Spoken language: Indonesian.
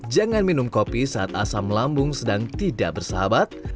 jangan minum kopi saat asam lambung sedang tidak bersahabat